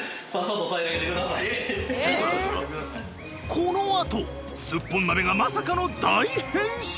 このあとすっぽん鍋がまさかの大変身。